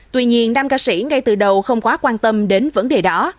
tuy nhiên nam ca sĩ ngay từ đầu không quá quan tâm đến vấn đề đó